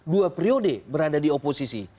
dua periode berada di oposisi